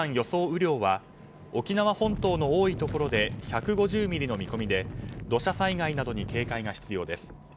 雨量は沖縄本島の多いところで１５０ミリの見込みで土砂災害などに警戒が必要です。